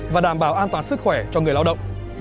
và đảm bảo an toàn sức khỏe cho người lao động